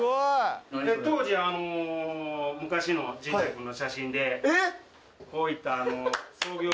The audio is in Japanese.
当時昔の陣内君の写真でこういった。